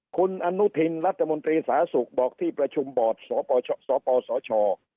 คุณอนุทินรัฐมนตรีสาธารณสุขบอกที่ประชุมบอร์ดสปสช